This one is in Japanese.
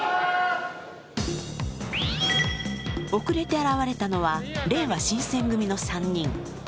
遅れて現れたのは、れいわ新選組の３人。